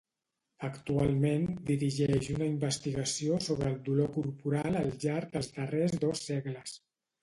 Actualment, dirigeix una investigació sobre el dolor corporal al llarg dels darrers dos segles.